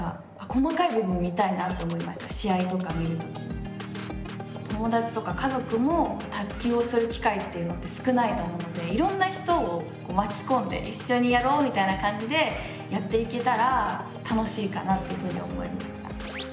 こういう友達とか家族も卓球をする機会っていうのって少ないと思うのでいろんな人を巻き込んで一緒にやろうみたいな感じでやっていけたら楽しいかなというふうに思いました。